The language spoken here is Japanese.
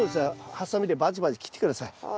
ハサミでバチバチ切って下さい。